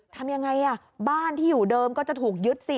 ทำยังไงบ้านที่อยู่เดิมก็จะถูกยึดสิ